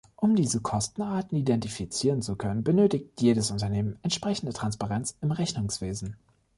Um diese Kostenarten identifizieren zu können, benötigt jedes Unternehmen entsprechende Transparenz im Rechnungswesen.